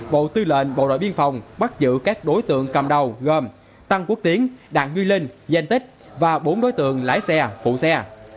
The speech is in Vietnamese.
bộ tư lệnh bộ đội biên phòng bắt giữ các đối tượng cầm đầu gồm tăng quốc tiến đảng nguyên linh danh tích và bốn đối tượng lái xe phụ xe